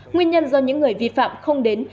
nguyên nhân do những người vi phạm không đến